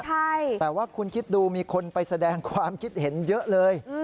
ใช่แต่ว่าคุณคิดดูมีคนไปแสดงความคิดเห็นเยอะเลย